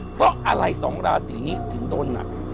เพราะอะไรสองราศรีนี้ถึงต้นน่ะ